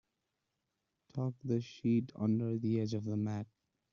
Tuck the sheet under the edge of the mat.